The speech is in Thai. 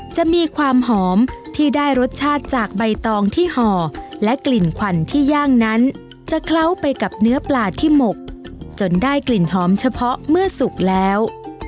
จะมีความหอมที่ได้รสชาติจากใบตองที่ห่อและกลิ่นควันที่ย่างนั้นจะเคล้าไปกับเนื้อปลาที่หมกจนได้กลิ่นหอมเฉพาะเมื่อสุกแล้ว